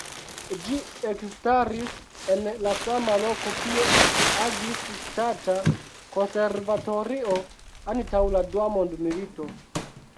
Ĝi ekstaris en la sama loko kie agis Ŝtata Konservatorio antaŭ la dua mondmilito.